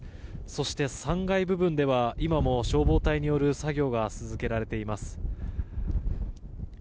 そして３階部分では今も消防隊による作業が続けられています。